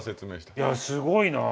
いやすごいな。